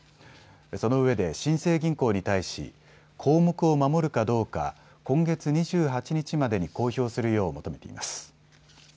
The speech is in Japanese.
そのうえで新生銀行に対し項目を守るかどうか今月２８日までに公表するよう求めています。